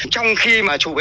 trong khi mà chụp